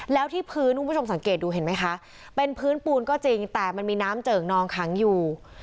แล้วที่พื้นคุณผู้ชมสังเกตดูเห็นไหมคะเป็นพื้นปูนก็จริงแต่มันมีน้ำเจิ่งนองขังอยู่